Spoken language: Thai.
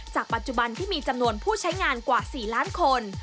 ปัจจุบันที่มีจำนวนผู้ใช้งานกว่า๔ล้านคน